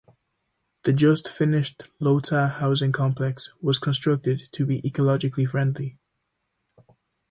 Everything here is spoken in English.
The just-finished Iota housing complex was constructed to be ecologically friendly.